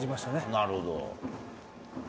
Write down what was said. なるほど。